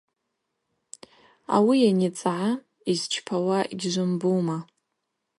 Ауи йаницӏгӏа: – Йсчпауа гьжвымбума?